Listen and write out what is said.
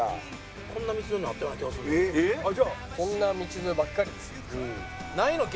こんな道沿いばっかりですよ。